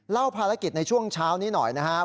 เล่าภารกิจในช่วงเช้านี้หน่อยนะครับ